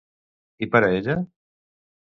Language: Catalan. I per a ella?